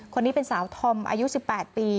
คนนี้เป็นสาวธอมอายุ๑๘ปี